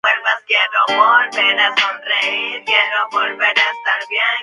Nació en Molde.